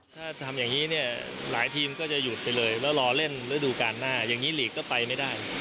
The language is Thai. ถ้าทำอย่างนี้เนี่ยหลายทีมก็จะหยุดไปเลยแล้วรอเล่นฤดูการหน้าอย่างนี้หลีกก็ไปไม่ได้